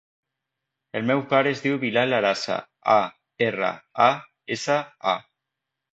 El meu pare es diu Bilal Arasa: a, erra, a, essa, a.